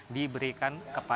dan juga tempat penyelidikan